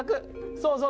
そうそう。